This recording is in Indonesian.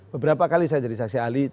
beberapa kali saya jadi saksi ahli